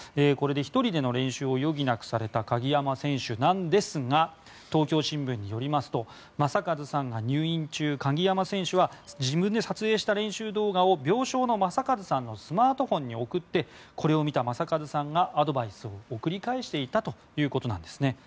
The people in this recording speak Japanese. これにより１人での練習を余儀なくされた鍵山選手ですが東京新聞によりますと正和さんが入院中鍵山選手は自分で撮影した練習動画を病床の正和さんのスマートフォンに送ってこれを見た正和さんがアドバイスを送り返していたということです。